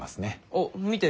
あっ見て！